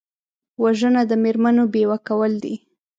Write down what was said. وژنه د مېرمنو بیوه کول دي